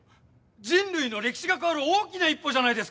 人類の歴史が変わる大きな一歩じゃないですか。